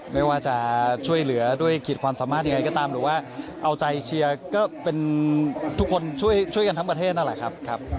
ไม่ว่าจะช่วยเหลือด้วยขีดความสามารถยังไงก็ตามหรือว่าเอาใจเชียร์ก็เป็นทุกคนช่วยกันทั้งประเทศนั่นแหละครับ